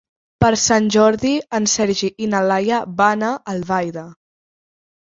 Per Sant Jordi en Sergi i na Laia van a Albaida.